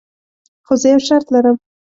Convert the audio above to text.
خو زه یو شرط لرم.